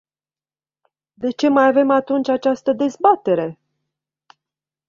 De ce mai avem atunci această dezbatere?